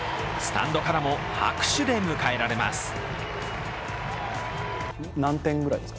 スタンドからも拍手で迎えられます。